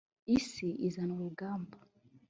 isi izana urugamba